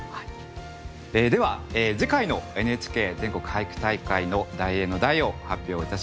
では次回のＮＨＫ全国俳句大会の題詠の題を発表いたします。